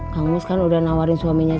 kamu kan udah nawarin suaminya c